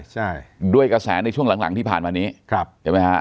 ใช่ด้วยกระแสในช่วงหลังหลังที่ผ่านมานี้ครับใช่ไหมฮะ